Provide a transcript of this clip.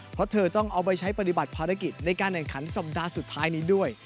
เพราะเธอต้องเอาไปใช้ปฏิบัติภารกิจในการแข่งขันสัปดาห์สุดท้ายนี้ด้วย